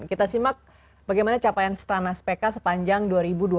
kita simak bagaimana capaian stanas pekka sepanjang dua ribu dua puluh satu berikutnya